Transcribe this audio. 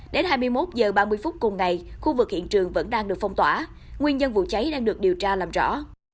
đến hai mươi một h ba mươi phút cùng ngày khu vực hiện trường vẫn đang được phong tỏa nguyên nhân vụ cháy đang được điều tra làm rõ